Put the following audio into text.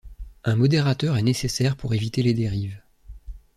Un modérateur est nécessaire pour éviter les dérives.